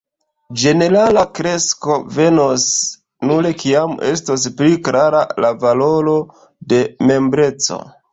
”Ĝenerala kresko venos nur kiam estos pli klara la valoro de membreco”.